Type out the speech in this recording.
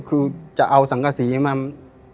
คือจะเอาสังกษีมา